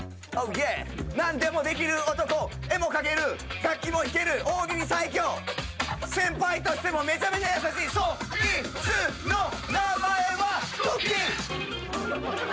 なんでもできる男、絵も描ける楽器も弾ける、大喜利最強、先輩としてもめちゃくちゃ優しい、そいつの名前は、くっきー！。